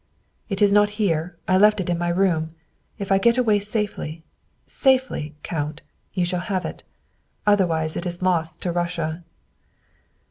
" It is not here. I left it in my room. If I get away safely, safely, Count, you shall have it. Otherwise it is lost to Russia.